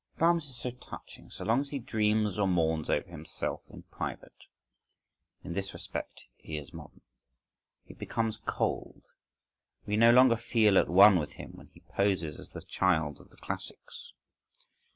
Brahms is touching so long as he dreams or mourns over himself in private—in this respect he is modern;—he becomes cold, we no longer feel at one with him when he poses as the child of the classics.